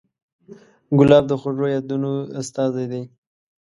ګلاب د خوږو یادونو استازی دی.